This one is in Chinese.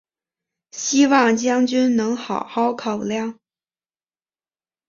希望将军能好好考量！